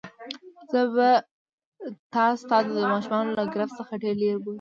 زه به تا ستا د دښمنانو له ګرفت څخه ډېر لیري بوزم.